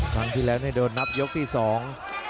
คลังที่แรกนี้โดนนับยกที่สอง